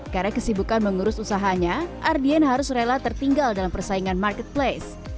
karena kesibukan mengurus usahanya ardian harus rela tertinggal dalam persaingan marketplace